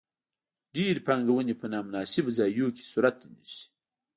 ډېرې پانګونې په نا مناسبو ځایونو کې صورت نیسي.